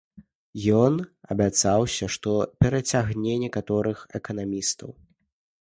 Ён абяцаўся, што перацягне некаторых эканамістаў.